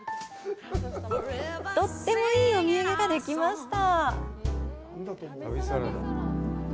とってもいいお土産ができました。